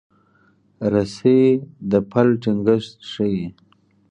رسۍ د پل ټینګښت ښيي.